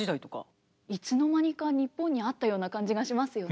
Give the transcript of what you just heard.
いつの間にか日本にあったような感じがしますよね。